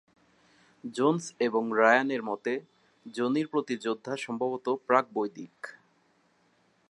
Jones এবং Ryan এর মতে, যোনির প্রতি শ্রদ্ধা সম্ভবত প্রাক-বৈদিক।